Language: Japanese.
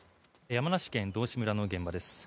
山梨県道志村の現場です。